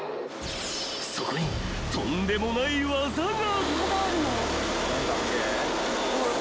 ［そこにとんでもない技が］